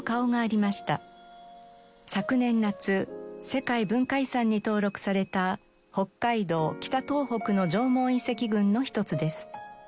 世界文化遺産に登録された北海道・北東北の縄文遺跡群の一つです。